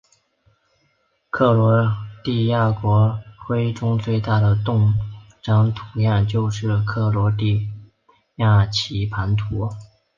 克罗地亚国徽中最大的盾章图样就是克罗地亚棋盘图。